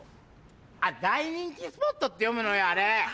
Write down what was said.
あっ大人気スポットって読むのよあれ！